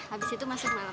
habis itu masuk ke malam